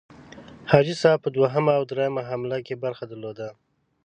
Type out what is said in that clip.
حاجي صاحب په دوهمه او دریمه حمله کې برخه درلوده.